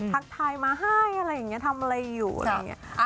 ทักทายมาให้อะไรอย่างนี้ทำอะไรอยู่อะไรอย่างนี้